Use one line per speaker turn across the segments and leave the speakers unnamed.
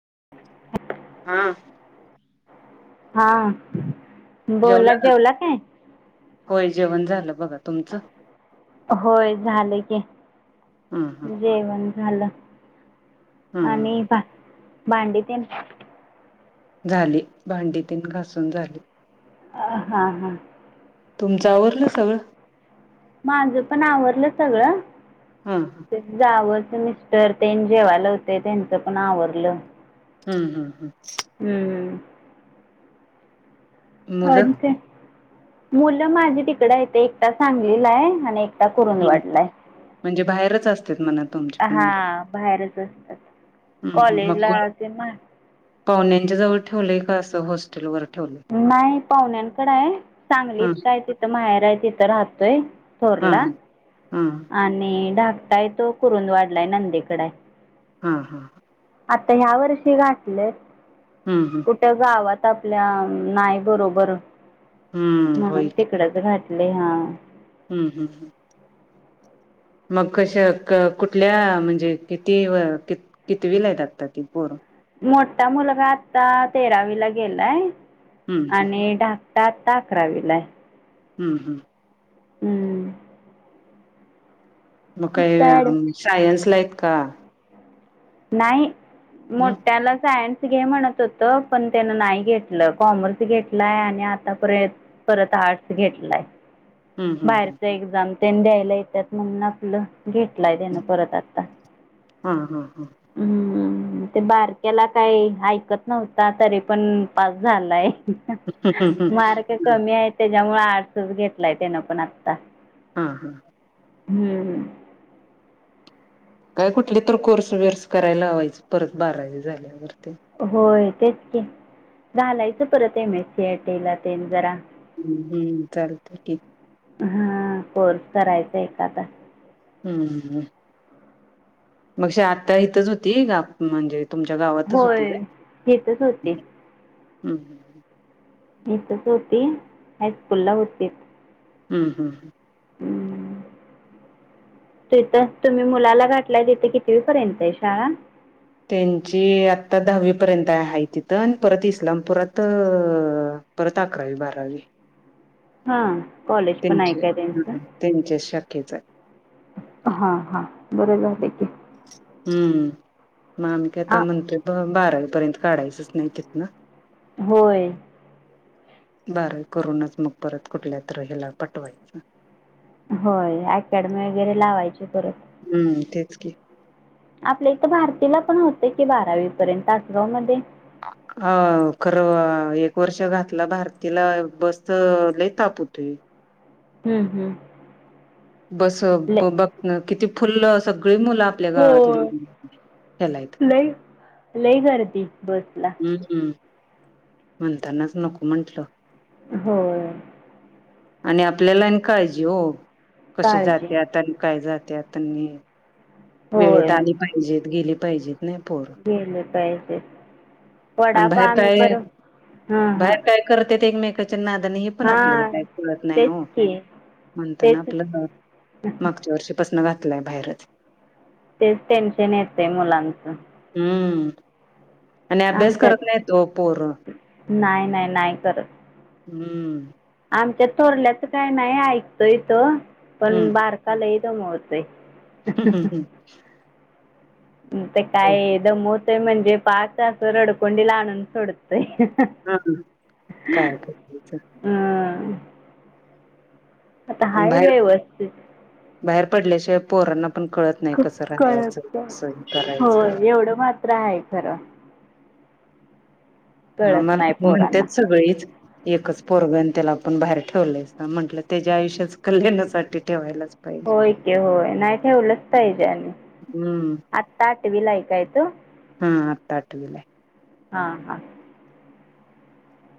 [inaudible]
हा.
हा, बोला जेवला काय?
होय जेवण झालं बघ आता.
[unintelligible] होय झालं की
हम्म हम्म
जेवण झालं
हम्म
आणि भांडी ते ना
झाली भांडी तीन घासून झाली
अ हा हा
तुमचा आवरलं सगळं
माझं पण आवरलं सगळं
हा हा
जावं मिस्टर ते जेवालं होते त्यांचं पण आवरलं
हम्म हम्म हम्
हम्म
हम्म
अ
मुलं
मुलं माझी तिकडं येत एकटा सांगलीला आहे आणि
हम्म
कुरुंदवाडला आहे
म्हणजे बाहेरच असते म्हण तुमची पण मुलं हम्म हम्म
कॉलेज
मग
ला
कोण
ते म
पाहुण्यांच्या जवळ ठेवलंय का असं हॉस्टेलवर ठेवलंय
नाही पाहण्यांकड आहे सांगलीत
हा
काय तिथं माहेर आहे तिथं राहतोय
हा
थोरला
हा
आणि ढाकटाय तो कुरुंदवाडला नंदेकड आहे
हा हा
आता ह्या वर्षी गाठलंय
हम्म हम्म
कुठ गावात आता आपल्या नाई बरोबर
हम्म होय
म्हणून
की
तिकडच घातले हा
हम्म हम्म हम् मग कश कुठल्या म्हणजे किती क कितीवी ला आहेतगता ती पोर
मोठा मुलगा आता तेरावीला गेलाय
हम्म हम्म
आणि आता अकरावीला
हम्म हम्म
हम्म
मग काही सायन्स ला आहेत का
नाही
हम्म
मोठ्याला सायन्स म्हणत होत पण त्यान नाही घेतलं कॉमर्स घेतलाय आणि आताय परत आर्ट्स घेतलाय
हम्म हम्म
बाहेरचा एक्झाम त्यांनी द्यायला येतात म्हणून आपलं घेेतलाय त्यांन परत आता
हा हा हा
हम्मम ते बारक्याला काही ऐकत नव्हता तरी पण पास झालाय
हम्म हम्म
मार्क कमी आहे त्याच्यामुळे आर्ट्स घेतलाय त्यान पण आत्ता
हा हा
हम्म
काय कुठली तर कोर्स बर्स करायला लावायचे परत बारावी झाल्यावर
होय तेच क घलायचं परत आहे M S C I T ते जरा
हम्म हम् चालत ठीक
हा कोर्स करायचा एखादा.
हम्म. म्हणजे आता इथच होती ग म्हणजे. तुमच्या गावातच होती
होय
का?
इथंच होती इथच होती हायस्कूल ला होती.
हम्म हम्म हम्म.
हम्म. तिथ तुम्ही मुलाला घाठलाय तिथे कितीवी पर्यंत आहे शाळा.
त्यांची आता दहावी पर्यंत आहे तिथं परत इस्लामपुरात परत अकरावी, बारावी
हा.
त्यांचे ह त्यांचे शक्यच आहे.
हा हा बरं झाल की
हम्म मग की आता
हां
म्हणतेो बारावीपर्यंत काढायचंच नाही तिथ ना
होय.
बरं करूनच मग परत कुठल्यात तर पटवायचं.
होय अकॅडमी वगैरे लावायची परत.
हम्म तेच की
आपल्या इथं भारतीला पण होत की बारावी पर्यंत तासगाव मध्ये-
अ खरं एक वर्ष घातलं भारतीला बसत लय ताप- तु पी [unintelligible]
हम्म हम्म.
बस
लय
बघ किती फुल्ल सगळी मुलं आपल्या
हो
गावातली- ह्याला आहेत
लय लय गर्दी बस ला.
हम्म म्हणतानाच नको म्हंटलं.
होय.
आणि आपल्याला आणि काळजी हो कशी
काळजी
जाते आता आणि काय जाते. त्यात आणि वेळेत
होय
आली पाहिजेत गेली पाहिजेत. पोर
गेले पाहिजे
आणि
वडापाव
बाहेर
आम्ही
काय?
पर हां हां
बाहेर काय करतेेत एकमेकच्या नादाने हे पण आपल्याला
हां
काही कळत नाही
तेच
हो.
की
म्हणताना
तेच
आपलं मागच्या वर्षीपसन घातलंय बाहेरच.
तेच टेन्शन येतय मुलांचं.
हम्म. आणि अभ्यास करत
आमच्यात
नाहीत ओ पोर.
नाही नाही नाही करत.
हम्म.
आमच्या थोरल्याच काय नाही ऐकतोय तो पण बारका लही धमवतोय.
हम्म हम्म हम्म.
ते काय दमवतय म्हणजे पार अस रडकोंडी ला आणून सोडतय.
हा काय करायचं
हम. आता
आणि
हाय
बाहेर
व्यवस्थित
बाहेर पडल्याशिवाय पोरांना पण कळत नाही
खूप
कसं राहायचं
कळत
सहन करायचं.
ते आहे खरं.
हा
कळत
मला
नाही
पण
पोरांना
म्हणतेच सगळीच. एकच पोरग त्याला पण बाहेर ठेवलंयच म्हटलं तेच्या आयुष्याच कल्याणासाठी ठेवायला.
होय की होय नाही ठेवलंच पाहिजे आणि
हम्म
आत्ता आठवी ला आहे काय तो?
आत्ता आठवी ला आहे.
हा हा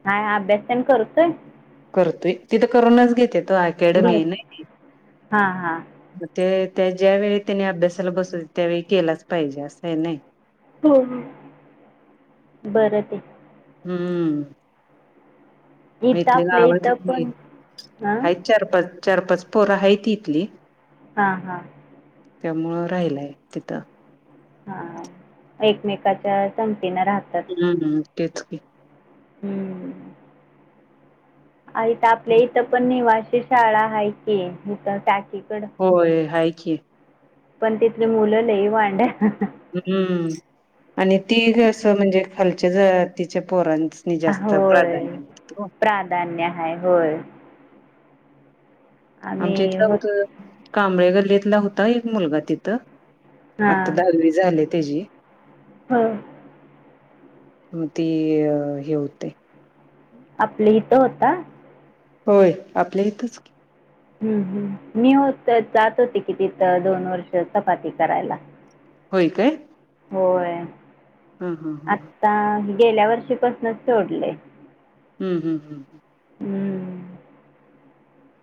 हा अभ्यास तेन करतोय.
करतोय ते तर करूनच घेत्यात. तो
घे
अकॅडमी ना आहे ती.
हां हां
त्या ज्या वळी त्यांनी अभ्यासाला बसवत त्यावेळी केलाच पाहिजे असं हे नाही?
हो बरं ते.
हम्म. मी
इथं
इथली
आपल्या इथं
गावातली
पण हां
आहेत चार, पाच. चार, पाच पोर आहे ती इथली.
हा हा.
त्यामुळं राहिलय तिथं
हा एकमेकाच्या संगतीन राहतात.
हम्म तेच की.
हम्म. आ इथं आपल्या इथं पण निवासी शाळा हाय की [unintelligible]
होय हाय की
पण तिथली मुलं लई वांड
हम्म आणि ती असं म्हणजे खालच्या जातीच्या पोरां नी जास्त
होय
प्राधान्य.
प्राधान्य हाय होय
आमच्या
आम्ही
इथलं
हो
होत कांबळे गल्लीतला होता एक मुलगा तिथं. आता दहावी झाले त्याची.
हां
म ते अ हे होतय.
आपलं इथ होता?
होय आपल्या इथंच
हम्म हम्म मी होतं जात होते कि तिथं दोन वर्ष चपाती करायला.
होय काय?
होय
हां हां हां
आत्ता गेल्या वर्षी पासनचं सोडलय.
हम्म हम्म
हम्म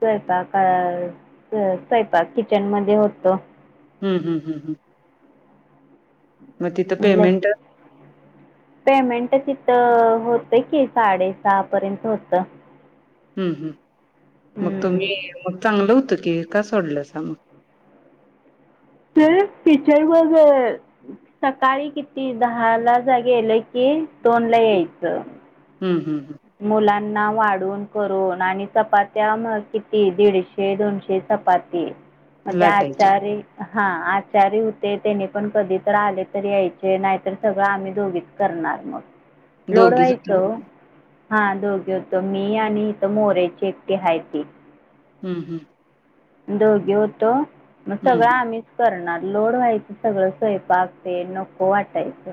स्वयंपाका स स्वयंपाक किचन मध्ये होतो.
हम्म हम्म हम्म हं मग तिथं पेमेंट
पेमेंट तिथं होतं कि साडेसहा पर्यंत होत.
हम्म हम्म मग
हम्म
तुम्ही मग चांगलं हो त की का सोडलंसा मग?
तर टीचर [unintelligible] सकाळी किती दहाला जा गेलं कि दोनला यायचं.
हं हं
मुला ना वाढून करून आणि चपात्या म किती दीडशे दोनशे चपाती. मग
हं
ते
लाटायचे
आचारी हा आचारी होते त्याने पण कधी तर आले तर यायचे नाहीतर सगळं आम्ही दोघीच करणार लोड
दोघीच होता
व्हायचं हो. हां दोघी होतो मी आणि इथं मोरेची एकती हायती.
हम्म हम्म
दोघे होतो मग सगळं
हं
आम्हीच करणार. लोड व्हायचं सगळं स्वयंपाक ते नको वाटायचं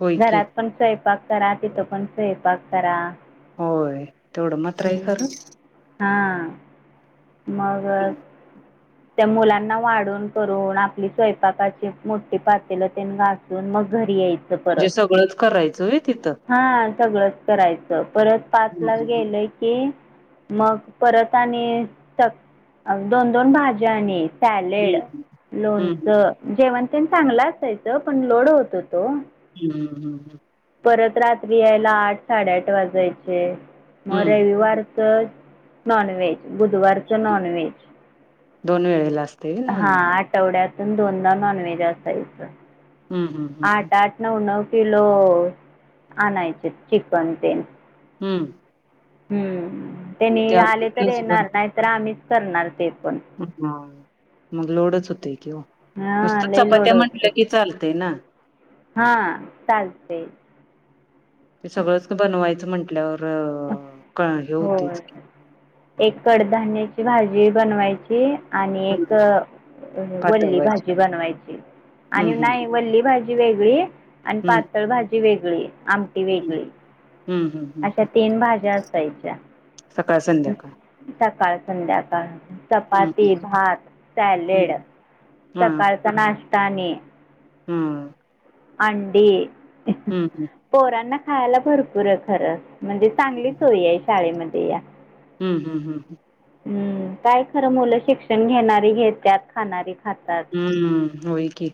होय की
घरात पण स्वयं स्वयंपाक करा तिथं पण स्वयंपाक करा.
होय तेवढं मात्र हाय
हम्म.
खरं.
हां मग [unintelligible] त्या मुलांना वाढून करून आपली स्वयंपाकाची मोठी पातेलं तेन घाासून मग घरी यायचं
म्हणजे सगळंच करायचं होय?
हा सगळंच करायचं, परत
हं
पाचला
हं
गेलंय की मग परत आणि सक दोन दोन भाज्या आणि सॅलेड,
हं हं
लोणचं, जेवण तेण चांगलं असायचं, पण लोड होतो तो
हम् हम्म हम्
परत रात्री यायला आठ साडेआठ वाजायचे, मग
हं. हं.
रविवार तर नॉनव्हेज बुधवारच नॉनव्हेज,
दोन वेळेला असतंय व्हय
हा
नॉनव्हेज
आठवड्यात दोनदा नॉनव्हेज असायचं.
हं हं हं हं
आठ आठ नऊ नऊ किलो आणायचे चिकन ते.
हम्म
हम्म त्यांनी आले तर येणार, नाहीतर आम्हीच करणार ते. पण
हा मग लोडच होते की हो नुसत
हां लई
चपात्या म्हंटलं की चालते ना
हा चालतें
ते सगळंच बनवायचं म्हंटल्यावर हे
होय
होतेच की
एक कडधान्याची भाजी बनवायची आणि एक
हम्म पातळ
वल्ली
व्हायचं
भाजी बनवायची
हम्म
आणि
हम्म
नाही वल्ली भाजी वेगळी आणि पातळ भाजी वेगळी आमटी
हम्म
वेगळी
हम्म हम्म
अच्छा
हम्म
तीन भाज्या असायच्या
सकाळ संध्याकाळ
सकाळ संध्याकाळ
हम्म हम्म
चपाती भात सॅलेड
हम्म हा हा
सकाळचा नाश्ता आणि
हम्म
अंडी
हम्म हम्म
पोरांना खायला भरपूर आहे खरं म्हणजे चांगली सोय आहे शाळेमध्ये या
हम्म हम्म हम्म हम्म
हम्म काय खरं मुलं शिक्षण घेणारी हे त्यात खाणारी हातात
हम्म होय की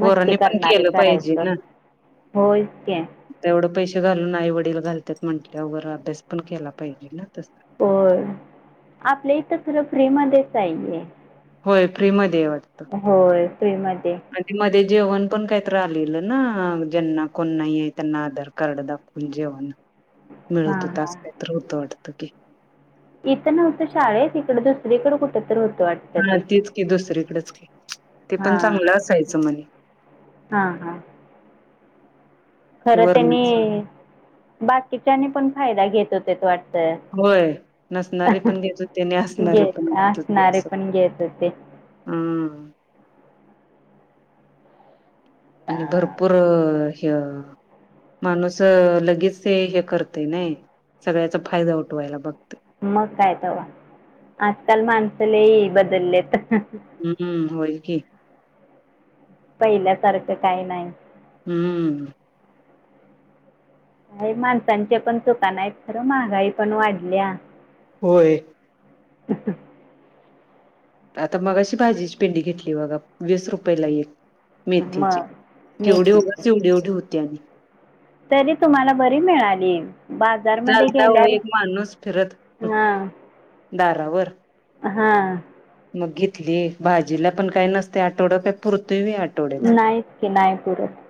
मस्ती
पण
करणारे
केलं पाहिजे
करायचं
ना
होयच की
तेवढं पैसे घालून आई वडील घालतात म्हंटले वगैरे अभ्यास पण केला पाहिजे ना तस
हो आपलं इथ तर तर फ्री मध्येच आहेे
होय फ्री मध्ये आहे वाटतं
होय फ्री मध्ये
आणि मध्ये जेवण पण काहीतहिलेलं ना ज्यांना कोण नाही आहे त्यांना आधार कार्ड दाखवून जेवण
हां
मिळवतो
हां
तास पत्र होत वाटत की
इथं नव्हतं शाळेत तिकडं दुसरीकडे कुठ तर होत
हा तेच क दुसरीकडेच क ते पण
हां
चांगलं असायचं मला
हां हां
ते
खरं
वरणच
त्यांनी बाकीच्यानी पण फायदा घेत होते वाट
होय नसणारे पण घेत होते आणि असणारे पण घेत होते
असणारे
अस
पण घेत होते
हम आणि भरपूर हि माणूस लगेच ते हे करते नाही सगळ्याचा फायदा उठवायला बघ
मग काय तेव आजकाल माणसलेही बदललेत
हम्म होय की
पहिल्यासारखं काही नाही
हम्म
का माणसांच्या पण चुका नाही आहेत खरं महागाई पण वाढल्या
होय
[inaudible]
आता मगाशी भाजीची पेंडी घेतली बघा वीस रुपयेला एक. मेथीचे
मग
केवढे
मेथीची
उगाच एवढी एवढे होती आणि.
तरी तुम्हाला बरी मिळाली.
तिथं
बाजारमध्ये
आलता हो
गेल्यार
एक माणूस फिरत
हा.
दारावर
हां.
मग घेतली भाजीला पण काही नसतय आठवडं काय पुरत पुरतंय होय आठवड्याच.
नाहीच की नाही पुरत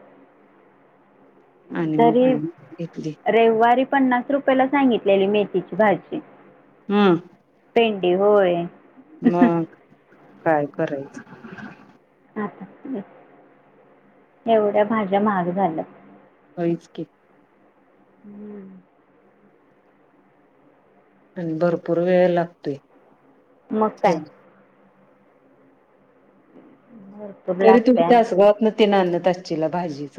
आणि
तरी
मग घेतली
रविवारी पन्नास रुपयाला सांगितलेली मेथीची भाजी.
हम्म.
[unintelligible] होय.
मग काय करायचं.
आता [unintelligible] एवढ्या भाज्या माहाग झाल्यात
होईच की.
हम्म.
आणि भरपूर वेळ लागतोय.
मग काय.
ठेवा
भरपूर
तरी
लागते
तुम्ही
आणि
तासगावात ना ते आणत त चला भाजीच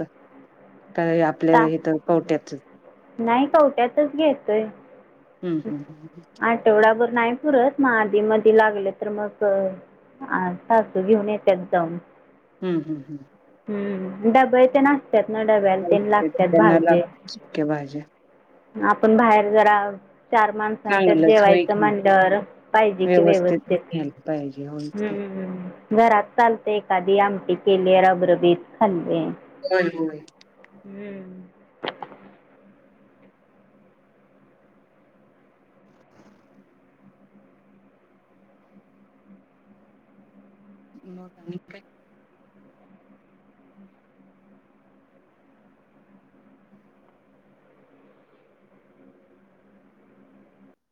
का आपल्या
ता
हेथ कवट्याच.
नाही कवट्यातच घेतोय.
हम्म.
आठवडाभर नाही पुरत म आधी मधी लागले तर मग. आ सासू घेऊन येत्यात जाऊन.
हम्म हम् हम्.
हम्म डब्या तेन असत्यात ना डब्याला ते लागतात
त्यांना
भाजी.
लागत्यात सुक्या भाज्या
आपण बाहेर जरा चार माणसांच्या
चांगलंच होय
जेवायचं
की
म्हणल्यावर पाहिजे कि
व्यवस्थितच
व्यवस्थित
घ्यायला पाहिजे होय
हम
की.
हम. ह् घरात चालते एखादी आमटी केले रबरबीज खाल्ले.
होय होय.
हम्म.
मग आणि काय.